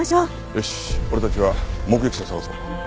よし俺たちは目撃者を捜そう。